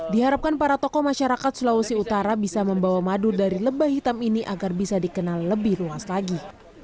diharapkan para tokoh masyarakat sulawesi utara bisa membawa madu dari lebah hitam ini agar bisa dikenal lebih luas lagi